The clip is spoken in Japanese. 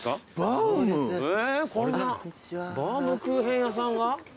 こんなバウムクーヘン屋さんが。